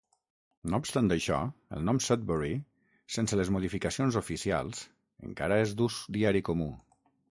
No obstant això, el nom Sudbury, sense les modificacions oficials, encara és d'ús diari comú.